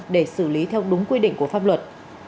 để xử lý theo đúng quy định của pháp luật